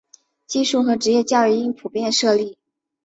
技术和职业教育应普遍设立。